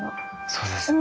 そうですね。